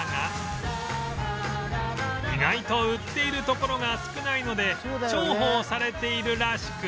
意外と売っているところが少ないので重宝されているらしく